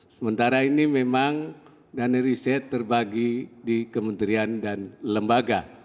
sementara ini memang dana riset terbagi di kementerian dan lembaga